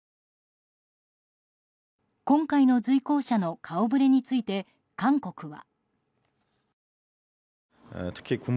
今回の随行者の顔ぶれについて韓国は。